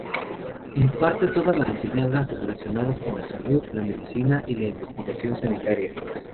Imparte todas las enseñanzas relacionadas con la salud, la medicina y la investigación sanitaria.